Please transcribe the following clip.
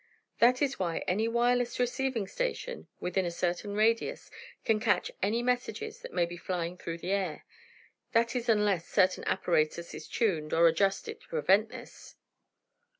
That is why any wireless receiving station, within a certain radius, can catch any messages that may be flying through the air that is unless certain apparatus is tuned, or adjusted, to prevent this."